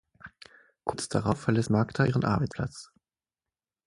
Kurz darauf verlässt Magda ihren Arbeitsplatz.